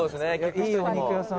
いいお肉屋さん」